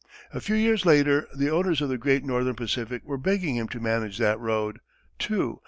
A few years later, the owners of the great Northern Pacific were begging him to manage that road, too.